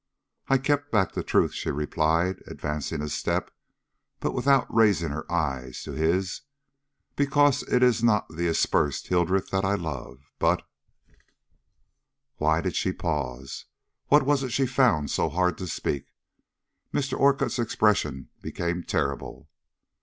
I kept back the truth," she replied, advancing a step, but without raising her eyes to his, "because it is not the aspersed Hildreth that I love, but " Why did she pause? What was it she found so hard to speak? Mr. Orcutt's expression became terrible.